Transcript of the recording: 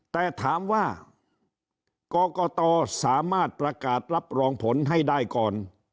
แต่ถามว่ากรกตสามารถประกาศรับรองผลให้ได้ก่อน